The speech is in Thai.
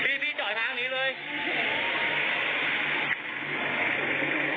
แล้วท้ายที่สุดก็ชักเกรงหมดสติอยู่